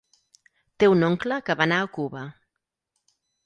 Té un oncle que va anar a Cuba.